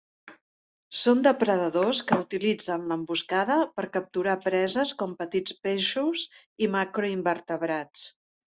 Són depredadors que utilitzen l'emboscada per capturar preses com petits peixos i macroinvertebrats.